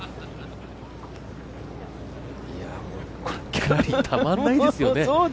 ギャラリーたまんないですよね。